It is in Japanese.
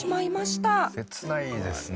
切ないですね。